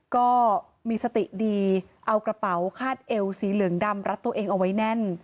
ก็มีสติดีเอากระเป๋าคาดเอวสีเหลืองดำรัดตัวเองเอาไว้แน่น